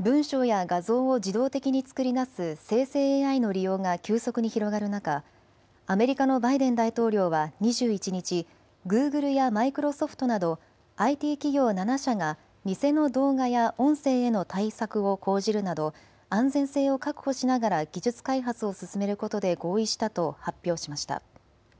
文章や画像を自動的に作り出す生成ＡＩの利用が急速に広がる中、アメリカのバイデン大統領は２１日、グーグルやマイクロソフトなどＩＴ企業７社が偽の動画や音声への対策を講じるなど安全性を確保しながら技術開発を進めることで合意したと発表しました。